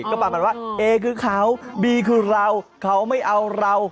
ก็ประมาณว่าเอคือเขาบีคือเราเขาไม่เอาเรา